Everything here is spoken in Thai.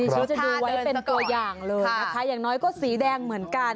ฉันดูไว้เป็นตัวอย่างเลยนะคะอย่างน้อยก็สีแดงเหมือนกัน